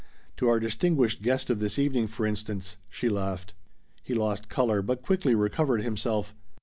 To our distinguished guest of this evening, for instance," she laughed. He lost color, but quickly recovered himself.